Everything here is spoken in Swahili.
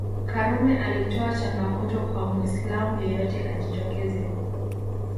Karume alitoa changamoto kwa Muislam yeyote ajitokeze